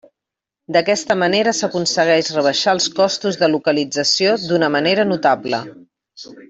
D'aquesta manera s'aconsegueix rebaixar els costos de localització d'una manera notable.